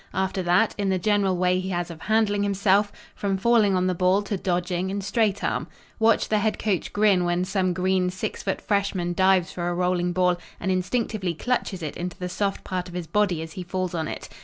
After that, in the general way he has of handling himself, from falling on the ball to dodging and straight arm. Watch the head coach grin when some green six foot freshman dives for a rolling ball and instinctively clutches it into the soft part of his body as he falls on it.